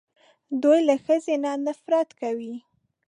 دوی له ښځې نه نفرت کوي